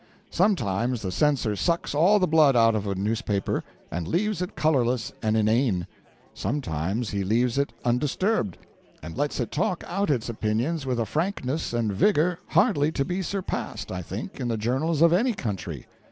Sometimes the censor sucks all the blood out of a newspaper and leaves it colourless and inane; sometimes he leaves it undisturbed, and lets it talk out its opinions with a frankness and vigour hardly to be surpassed, I think, in the journals of any country.